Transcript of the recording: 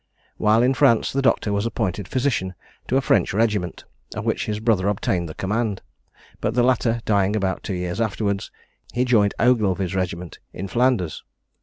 While in France, the doctor was appointed physician to a French regiment, of which his brother obtained the command; but the latter dying about two years afterwards, he joined Ogilvie's regiment in Flanders.